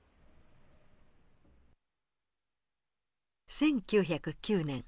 １９０９年。